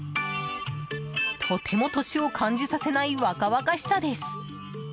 とても年を感じさせない若々しさです。